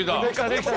できた。